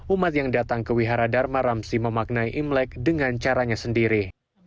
umat yang datang ke wihara dharma ramsi memaknai imlek dengan caranya sendiri